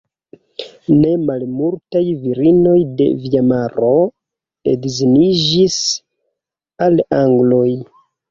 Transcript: Ne malmultaj virinoj de Vajmaro edziniĝis al angloj.